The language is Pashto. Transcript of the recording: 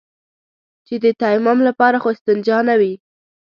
چې د تيمم لپاره خو استنجا نه وي.